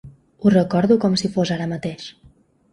Ho recordo com si fos ara mateix.